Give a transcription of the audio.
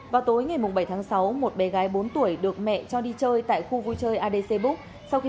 vào tối ngày bảy tháng sáu một bé gái bốn tuổi được mẹ cho đi chơi tại khu vui chơi adc book sau khi